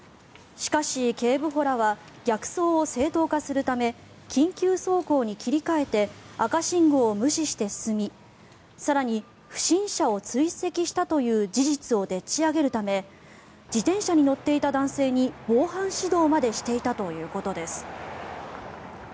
しかし、警部補らは逆走を正当化するため緊急走行に切り替えて赤信号を無視して進み更に、不審者を追跡したという事実をでっちあげるため自転車に乗っていた男性に防犯指導までしていたということです。